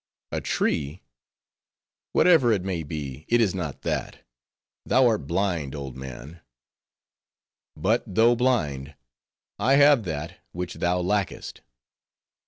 "A tree? whatever it may be, it is not that; thou art blind, old man." "But though blind, I have that which thou lackest."